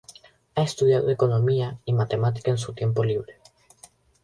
Ha estudiado economía y matemática en su tiempo libre.